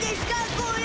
これ。